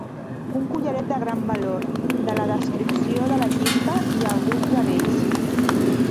Un collaret de gran valor, de la descripció de la llista, i alguns anells.